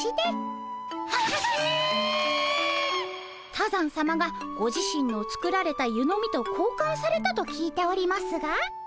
多山さまがご自身の作られた湯飲みとこうかんされたと聞いておりますが。